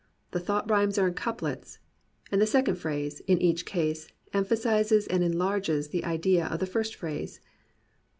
The thought rhymes are in couplets; and the second phrase, in each case, emphasizes and enlarges the idea of the first phrase.